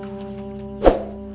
bang itu dia